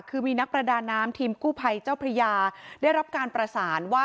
คือมีนักประดาน้ำทีมกู้ภัยเจ้าพระยาได้รับการประสานว่า